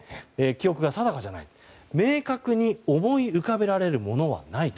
記憶が定かじゃない明確に思い浮かべられるものはない。